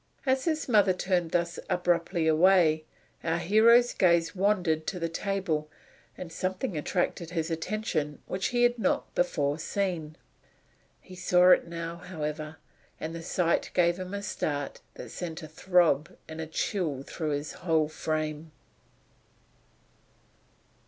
As his mother turned thus abruptly away, our hero's gaze wandered to the table, and something attracted his attention which he had not before seen. He saw it now, however, and the sight gave him a start that sent a throb and a chill through his whole frame.